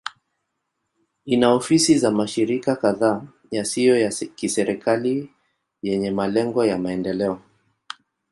Ina ofisi za mashirika kadhaa yasiyo ya kiserikali yenye malengo ya maendeleo.